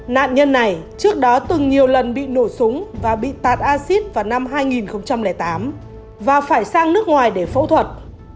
nạn nhân này trước đó từng nhiều lần bị nổ súng và bị tạt acid vào năm hai nghìn tám và phải sang nước ngoài để phẫu thuật